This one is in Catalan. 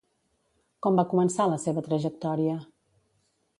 Com va començar la seva trajectòria?